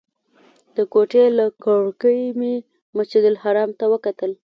د کوټې له کړکۍ مې مسجدالحرام ته وکتل.